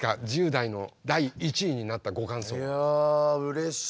１０代の第１位になったご感想は。